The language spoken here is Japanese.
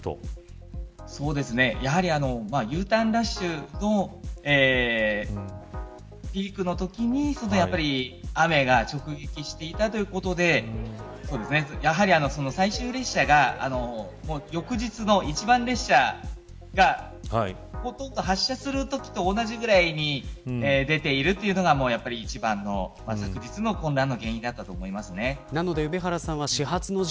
Ｕターンラッシュのピークの時に雨が直撃していたということでやはり最終列車が翌日の一番列車がほとんど発車するときと同じくらいに出ているというのが一番の昨日の混乱の原因だと思います。